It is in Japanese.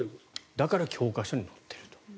だから教科書に載ってると。